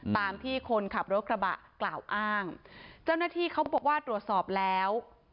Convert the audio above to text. ตามที่คนขับรถกระบะกล่าวอ้างเจ้าหน้าที่เขาบอกว่าตรวจสอบแล้ว